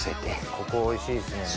ここおいしいですもんね。